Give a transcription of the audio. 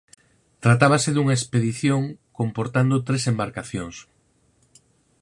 Tratábase dunha expedición comportando tres embarcacións.